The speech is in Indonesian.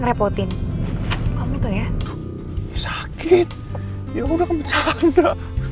ngerepotin kamu tuh ya sakit ya udah kebencana